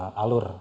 nah itu bagaimana